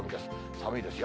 寒いですよ。